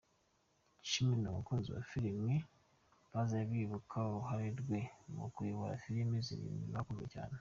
Cimino, abakunzi ba filimi bazajya bibuka uruhare rwe mu kuyobora filimi zirindwi zakunzwe cyane.